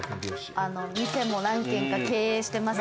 店も何件か経営してます